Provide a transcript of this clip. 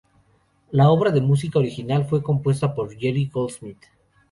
La obra de música original fue compuesta por Jerry Goldsmith.